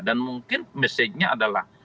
dan mungkin message nya adalah